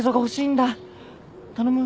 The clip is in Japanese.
頼む。